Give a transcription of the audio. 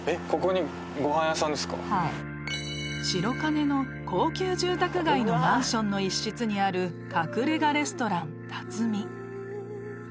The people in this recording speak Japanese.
［白金の高級住宅街のマンションの一室にある隠れ家レストラン］